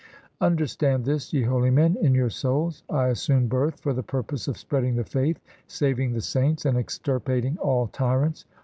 Understand this, ye holy men, in your souls. I assumed birth for the purpose Of spreading the faith, saving the saints, And extirpating all tyrants.